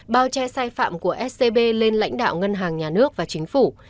bao che sai phạm của scb lên lãnh đạo ngân hàng nhà nước và chính phủ